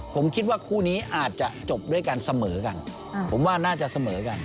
ผมคิดว่าคู่นี้อาจจะจบด้วยกันเสมอกันผมว่าน่าจะเสมอกัน